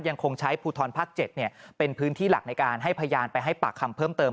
ยังคงใช้ภูทรภาค๗เป็นพื้นที่หลักในการให้พยานไปให้ปากคำเพิ่มเติม